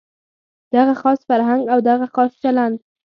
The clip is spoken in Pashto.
دغه خاص فرهنګ او دغه خاص چلند.